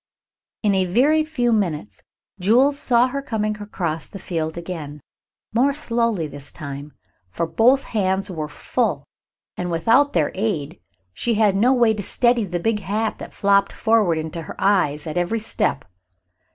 In a very few minutes Jules saw her coming across the field again, more slowly this time, for both hands were full, and without their aid she had no way to steady the big hat that flapped forward into her eyes at every step.